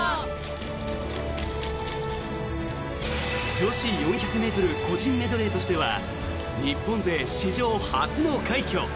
女子４００ｍ個人メドレーとしては日本勢史上初の快挙。